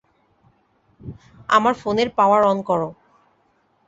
আমার ফোনের power on করো।